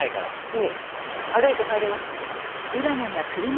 いえ歩いて帰ります。